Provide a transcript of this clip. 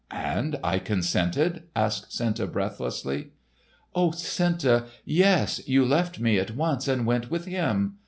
"And I consented?" asked Senta breathlessly. "Oh, Senta! Yes, you left me at once and went with him.